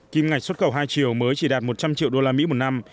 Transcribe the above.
kim ngạch xuất khẩu hai chiều mới chỉ đạt một trăm linh triệu usd một năm